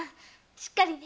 しっかりね。